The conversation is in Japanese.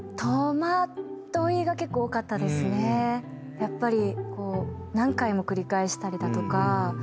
やっぱりこう何回も繰り返したりだとか。